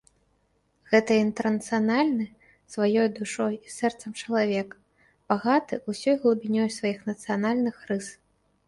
Гэта інтэрнацыянальны сваёй душой і сэрцам чалавек, багаты ўсёй глыбінёй сваіх нацыянальных рыс.